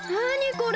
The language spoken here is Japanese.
これ。